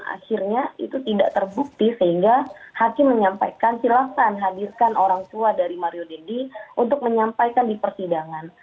akhirnya itu tidak terbukti sehingga hakim menyampaikan silahkan hadirkan orang tua dari mario dendi untuk menyampaikan di persidangan